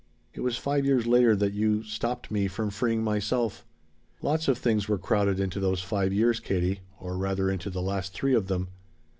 "It was five years later that you stopped me from freeing myself. Lots of things were crowded into those five years, Katie or rather into the last three of them.